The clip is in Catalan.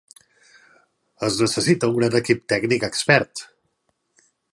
Es necessita un gran equip tècnic expert.